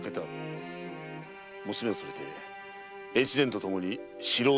娘を連れて越前とともに城を出るがよい。